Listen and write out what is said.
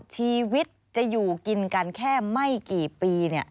ชีวิตจะอยู่กินกันแค่ไม่กี่ปี